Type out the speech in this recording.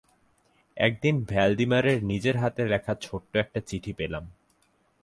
একদিন ভ্যালডিমারের নিজের হাতে লেখা ছোট্ট একটা চিঠি পেলাম।